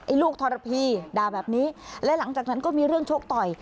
ลูกทรพีด่าแบบนี้และหลังจากนั้นก็มีเรื่องชกต่อย